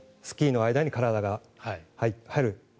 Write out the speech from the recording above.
スキーの間に体が入る。